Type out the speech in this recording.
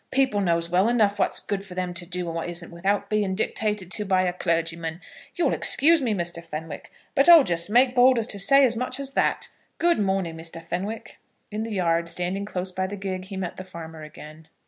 People knows well enough what's good for them to do and what isn't without being dictated to by a clergyman. You'll excuse me, Mr. Fenwick; but I'll just make bold to say as much as that. Good morning, Mr. Fenwick." In the yard, standing close by the gig, he met the farmer again.